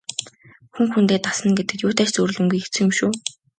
Хүн хүндээ дасна гэдэг юутай ч зүйрлэмгүй хэцүү юм шүү.